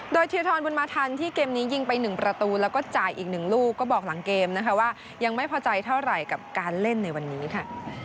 โดยเทียทรบุญมาทันที่เกมนี้ยิงไป๑ประตูแล้วก็จ่ายอีก๑ลูกก็บอกหลังเกมนะคะว่ายังไม่พอใจเท่าไหร่กับการเล่นในวันนี้ค่ะ